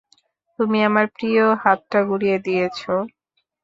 তুমি আমার প্রিয় হাতটা গুঁড়িয়ে দিয়েছ!